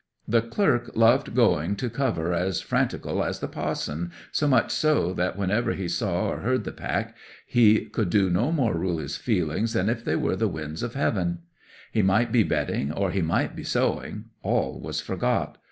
The clerk loved going to cover as frantical as the pa'son, so much so that whenever he saw or heard the pack he could no more rule his feelings than if they were the winds of heaven. He might be bedding, or he might be sowing—all was forgot.